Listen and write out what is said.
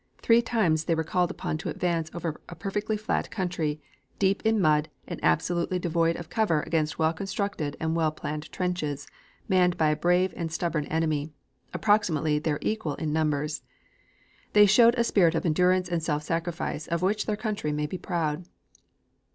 Three times they were called upon to advance over a perfectly flat country, deep in mud, and absolutely devoid of cover against well constructed and well planned trenches, manned by a brave and stubborn enemy, approximately their equal in numbers. They showed a spirit of endurance and self sacrifice of which their country may well be proud.